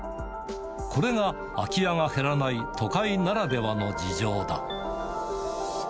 これが空き家が減らない、都会ならではの事情だ。